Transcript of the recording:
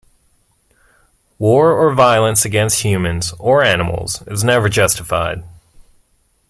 War or violence against humans or animals is never justified.